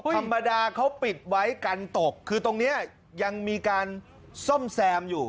ธรรมดาเขาปิดไว้กันตกคือตรงนี้ยังมีการซ่อมแซมอยู่